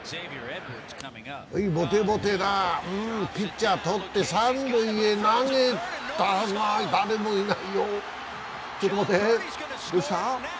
はい、ボテボテだ、ピッチャー取って三塁へ投げたが、誰もいないよ、ちょっと待って、どうした？